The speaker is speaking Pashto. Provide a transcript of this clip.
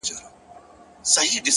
پښتې ستري تر سترو. استثناء د يوې گوتي.